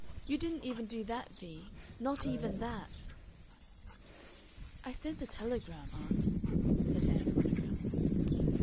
You didn't even do that Vee; not even that." "I sent a telegram, aunt," said Ann Veronica.